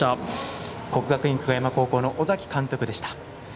国学院久我山高校の尾崎監督でした。